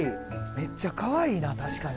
めっちゃかわいいな確かに。